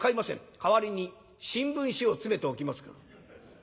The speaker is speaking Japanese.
代わりに新聞紙を詰めておきますから」。